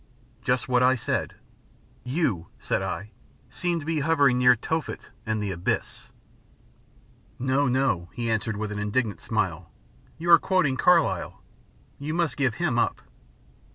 Just what I said. "You," said I, "seem to be hovering near Tophet and the Abyss." "No, no," he answered with an indulgent smile. "You are quoting Carlyle. You must give him up."